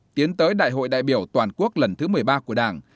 tiến tới đại hội đại biểu toàn quốc lần thứ một mươi ba của đảng